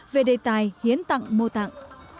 về đề tài hiến tạng mô tạng